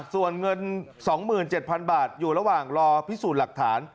ส่วนเงิน๒๗๐๐บาทอยู่ระหว่างรอพิสูจน์หลักฐาน